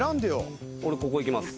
俺ここいきます。